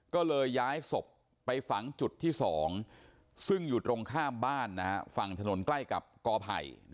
ก็เลยย้ายศพไปฝังจุดที่๒ซึ่งอยู่ตรงข้ามบ้านฝั่งถนนใกล้กับกอไผ่